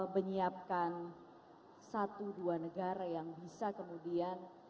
menyiapkan satu dua negara yang bisa kemudian